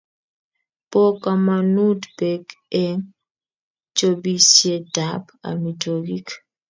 Bo komonut Bek eng chobisietab amitwogik